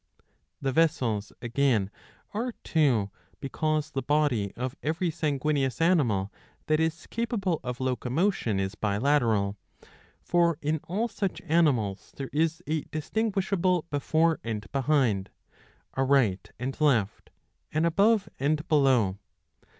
The vessels, again, are two, because the body of every sanguineous animal that is capable of locomotion * is bilateral ; for in all such animals there is a distinguishable before and behind, a right and left, an above and below.